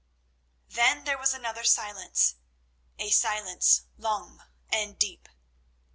Then there was another silence—a silence long and deep.